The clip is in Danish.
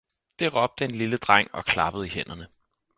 Det råbte en lille dreng og klappede i hænderne